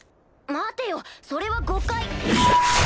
待てよそれは誤解。